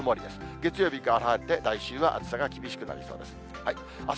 月曜日は晴れて、来週は暑さが厳しくなりそうです。